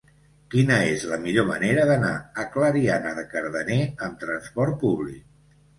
Quina és la millor manera d'anar a Clariana de Cardener amb trasport públic?